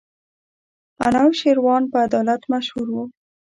انوشېروان په عدالت مشهور وو.